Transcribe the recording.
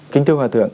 kính thưa hòa thượng